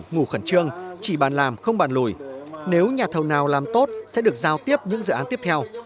ngủ khẩn trương chỉ bàn làm không bàn lùi nếu nhà thầu nào làm tốt sẽ được giao tiếp những dự án tiếp theo